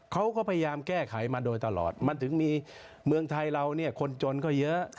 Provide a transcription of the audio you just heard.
เขาก็พยายามแก้ไขมาโดยตลอดมันถึงมีเมืองไทยเราเนี่ยคนจนก็เยอะ